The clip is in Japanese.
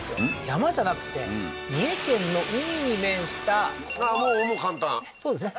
山じゃなくて三重県の海に面したああもう簡単そうですね